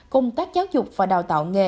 công tác giáo dục và đào tạo nghề